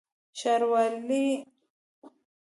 ښاروالي